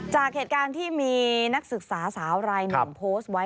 จากเหตุการณ์ที่มีนักศึกษาสาวรายหนึ่งโพสต์ไว้